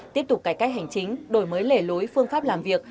tiếp tục cải cách hành chính đổi mới lề lối phương pháp làm việc